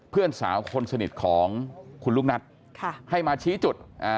เพื่อนสาวคนสนิทของคุณลูกนัทให้มาชี้จุด